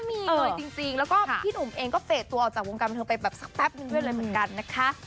มีเลยจริงแล้วก็พี่หนุ่มเองก็เฟสตัวออกจากวงการบันเทิงไปแบบสักแป๊บนึงด้วยเลยเหมือนกันนะคะ